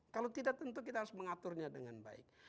kalau tidak tentu kita harus mengaturnya dengan baik